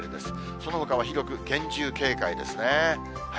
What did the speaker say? そのほかは広く厳重警戒ですね。